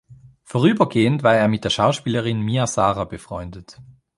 Vorübergehend war er mit der Schauspielerin Mia Sara befreundet.